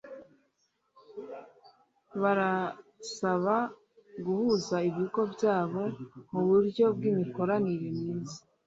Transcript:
Barasaba guhuza ibigo byabo muburyo bw’imikoranire myiza.